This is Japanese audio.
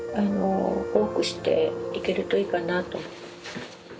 多くしていけるといいかなと。